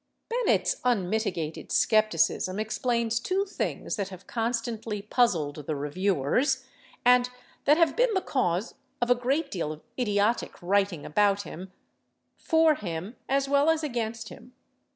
Bennett's unmitigated skepticism explains two things that have constantly puzzled the reviewers, and that have been the cause of a great deal of idiotic writing about him—for him as well as against him.